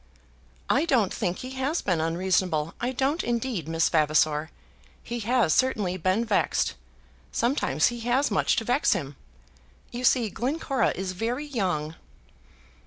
"I don't think he has been unreasonable; I don't, indeed, Miss Vavasor. He has certainly been vexed. Sometimes he has much to vex him. You see, Glencora is very young."